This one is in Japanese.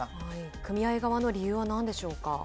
組合側の理由はなんでしょうか。